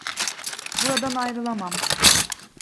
Buradan ayrılamam.